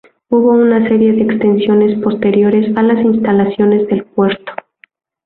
Hubo una serie de extensiones posteriores a las instalaciones del puerto.